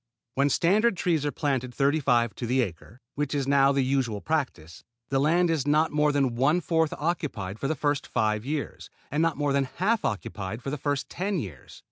When standard trees are planted thirty five to the acre, which is now the usual practice, the land is not more than one fourth occupied for the first five years, and not more than half occupied for the first ten years.